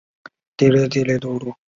江苏巡抚宋荦聘致幕中。